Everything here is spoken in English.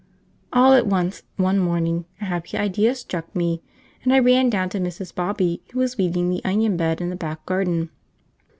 All at once, one morning, a happy idea struck me, and I ran down to Mrs. Bobby, who was weeding the onion bed in the back garden.